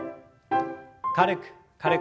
軽く軽く。